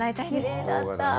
きれいだった。